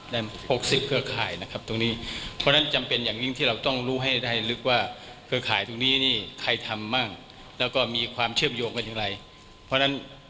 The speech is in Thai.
แนมพวกซิเกิดข่ายนะครับตรงนี้เพราะฉะนั้นจำเป็นอย่างหนึ่งที่เราต้องรู้ให้ได้ลึกว่าขายอยู่นี้นี่ใครทำมั่งแล้วก็มีความเชื่อมโยงจำหนัยเพราะ